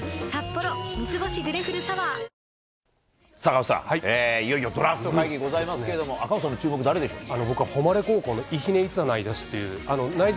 赤星さん、いよいよドラフト会議ございますけれども、赤星さんの注目誰でしょうか。